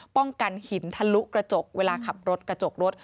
กันหินทะลุกระจกเวลาขับรถกระจกรถ